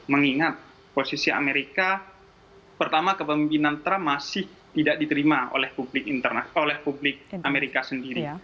mengingat posisi amerika pertama kepemimpinan trump masih tidak diterima oleh publik amerika sendiri